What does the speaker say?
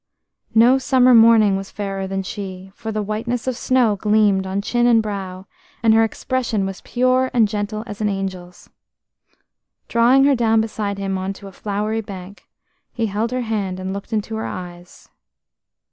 No summer morning was fairer than she, for the whiteness of snow gleamed on chin and brow, and her expression was pure and gentle as an angel's. Drawing her down beside him on to a flowery bank, he held her hand and looked into her eyes.